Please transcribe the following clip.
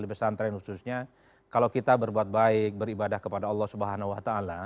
di pesantren khususnya kalau kita berbuat baik beribadah kepada allah swt